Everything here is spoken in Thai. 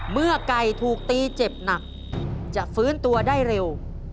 เมื่อไก่ถูกตีเจ็บหนักจะฟื้นตัวได้เร็ว